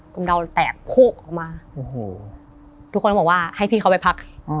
กำเดาแตกโภกออกมาทุกคนบอกว่าให้พี่เขาไปพัก